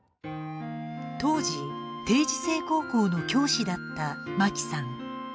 当時、定時制高校の教師だった牧さん。